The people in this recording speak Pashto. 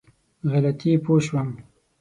غلطي پوه شوم.